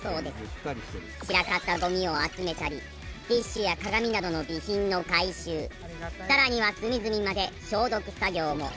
散らかったゴミを集めたりティッシュや鏡などの備品の回収さらには隅々まで消毒作業も。